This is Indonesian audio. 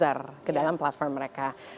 bawa new user ke dalam platform mereka